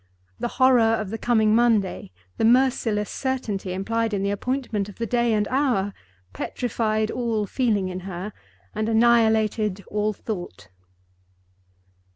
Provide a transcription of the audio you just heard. The horror of the coming Monday—the merciless certainty implied in the appointment of the day and hour—petrified all feeling in her, and annihilated all thought.